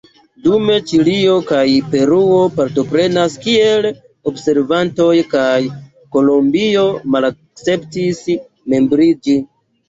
Dume Ĉilio kaj Peruo partoprenas kiel observantoj kaj Kolombio malakceptis membriĝi.